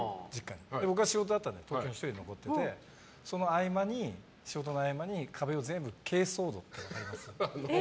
僕は仕事だったので東京に１人で残っててその合間に、壁を全部珪藻土で。